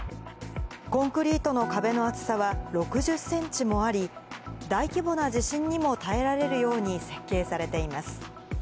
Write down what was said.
コンクリートの壁の厚さは６０センチもあり、大規模な地震にも耐えられるように設計されています。